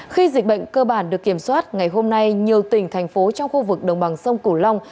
khi dịch bệnh cơ bản được kiểm soát ngày hôm nay nhiều tỉnh thành phố trong khu vực đồng bằng sông cửu long